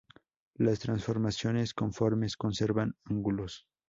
Las transformaciones conformes conservan "ángulos".